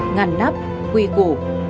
ngăn nắp quy củ